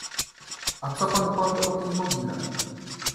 — A co pan powie o tej mogile?